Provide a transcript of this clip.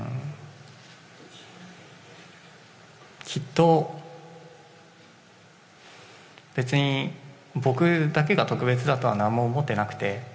きっと別に、僕だけが特別だとは何も思っていなくて。